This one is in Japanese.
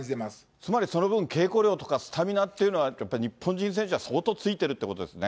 つまりその分稽古量とかスタミナというのは、日本人選手は相当ついてるってことですね。